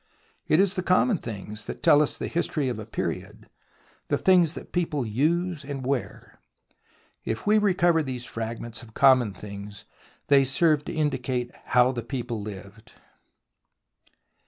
It is the common things that tell us the history of a period, the things that people use and wear. If we recover these fragments of common things, they serve to indicate how the people lived.